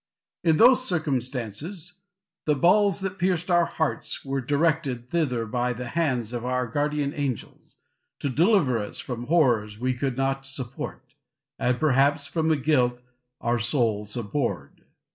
In those circumstances, the balls that pierced our hearts were directed thither by the hands of our guardian angels, to deliver us from horrors we could not support, and perhaps from a guilt our souls abhorred.